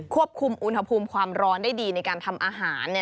ควบคุมอุณหภูมิความร้อนได้ดีในการทำอาหาร